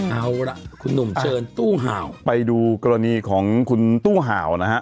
เอาล่ะคุณหนุ่มเชิญตู้ห่าวไปดูกรณีของคุณตู้ห่าวนะฮะ